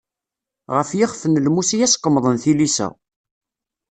Ɣef yixef n lmus i as-qemḍen tilisa.